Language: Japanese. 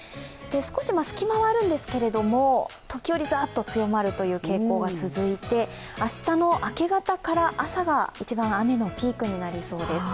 少し隙間はあるんですけど時折、ザーッと強まるという傾向が続いて明日の明け方から朝が一番、雨のピークになりそうです。